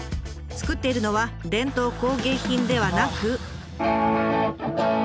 つくっているのは伝統工芸品ではなく。